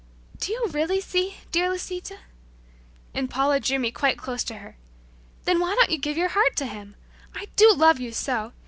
"Do you really see, dear Lisita?" And Paula drew me quite close to her. "Then why don't you give your heart to Him? I do love you so!